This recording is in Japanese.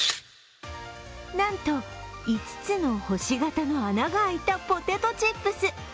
なんと５つの星形の穴が開いたポテトチップス。